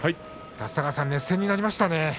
立田川さん熱戦になりましたね。